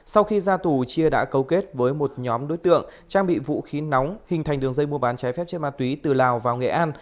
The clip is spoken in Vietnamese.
sau khi ra tù chia đã cấu kết với một nhóm đối tượng trang bị vũ khí nóng hình thành đường dây mua bán trái phép chất ma túy từ lào vào nghệ an